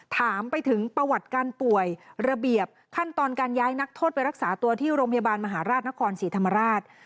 ถามไปถึงประวัติการป่วยระเบียบขั้นตอนการย้ายนักโทษไปรักษาตัวที่โรงพยาบาลมหาราชนครศรีธรรมราช